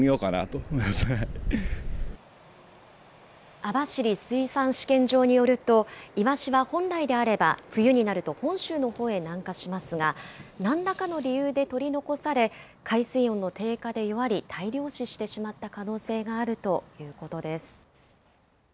網走水産試験場によると、イワシは本来であれば、冬になると本州のほうへ南下しますが、なんらかの理由で取り残され、海水温の低下で弱り、大量死してしまった可能性があるということです。